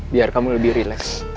biar kamu lebih rileks